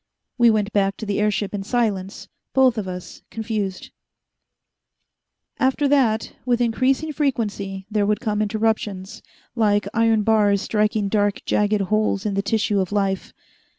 We went back to the airship in silence, both of us confused. After that, with increasing frequency, there would come interruptions, like iron bars striking dark, jagged holes in the tissue of life.